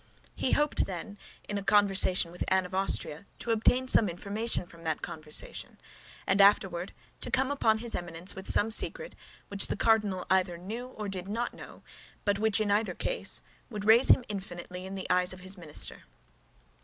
He hoped, then, in a conversation with Anne of Austria, to obtain some information from that conversation, and afterward to come upon his Eminence with some secret which the cardinal either knew or did not know, but which, in either case, would raise him infinitely in the eyes of his minister.